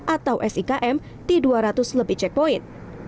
atau sikm di dua ratus lebih checkpoint